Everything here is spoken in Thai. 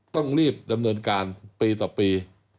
ต้องรีบดำเนินการปีต่อปี